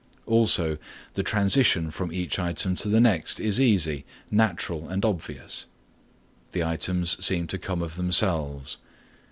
Also the transition from each item to the next is easy, natural and obvious; the items seem to come of themselves.